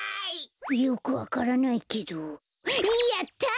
よくわからないけどやった！